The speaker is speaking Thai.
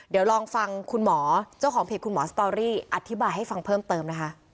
เดี๋ยวลองฟังคุณหมอเจ้าของเพจคุณหมอสตอรี่อธิบายให้ฟังเพิ่มเติมนะคะ